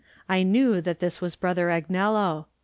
I knew that this was Brother Agnello.